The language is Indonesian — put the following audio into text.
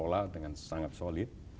dikelola dengan sangat solid